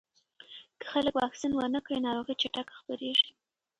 که خلک واکسین ونه کړي، ناروغي چټکه خپرېږي.